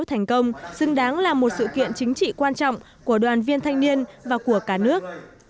thành công xứng đáng là một sự kiện chính trị quan trọng của đoàn viên thanh niên và của cả nước